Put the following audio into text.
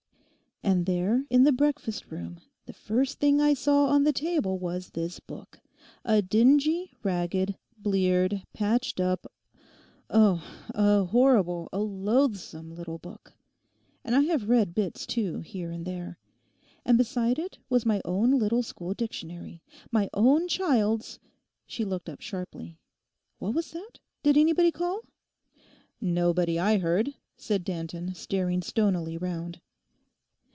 And there in the breakfast room the first thing I saw on the table was this book—a dingy, ragged, bleared, patched up, oh, a horrible, a loathsome little book (and I have read bits too here and there); and beside it was my own little school dictionary, my own child's——' She looked up sharply. 'What was that? Did anybody call?' 'Nobody I heard,' said Danton, staring stonily round.